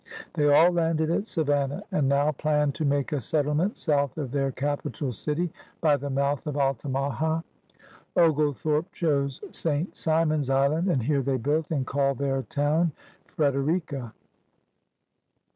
They all landed at Savannah, and now planned to make a settement south of their capital city, by the mouth of Altamaha. Oglethorpe chose St. Simon's Island, and here they built, and called their town Prederica.